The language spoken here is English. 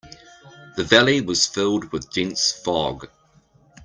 The valley was filled with dense fog.